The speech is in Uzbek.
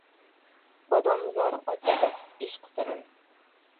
Bodomzor ochadi ishq sirin.